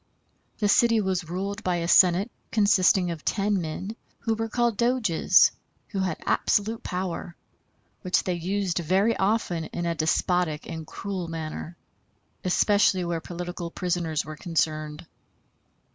The city was ruled by a Senate consisting of ten men, who were called Doges, who had absolute power, which they used very often in a despotic and cruel manner, especially where political prisoners were concerned.